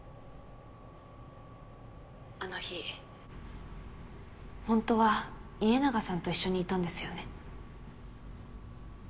あの日ほんとは家長さんと一緒にいたんですよね？